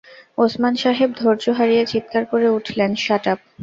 ওসমান সাহেব ধৈর্য হারিয়ে চিৎকার করে উঠলেন, শাট আপ।